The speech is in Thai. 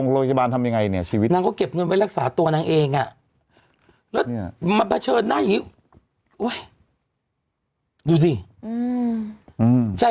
ตัวอีกซะครึ่งนึงเดี๋ยว๘๐กว่าแล้วว่ะ